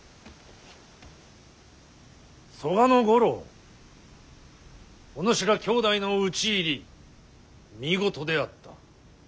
曽我五郎おぬしら兄弟の討ち入り見事であった。